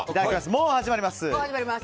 もう始まります。